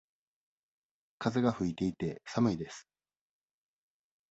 風が吹いていて、寒いです。